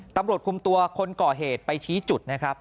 ตำรวจคุมตัวคนก่อเหตุไปชี้จุดนะครับ